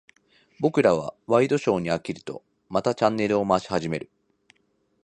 僕らはワイドショーに飽きると、またチャンネルを回し始める。